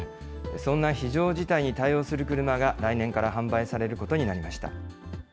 そんな非常事態に対応する車が、来年から販売されることになりま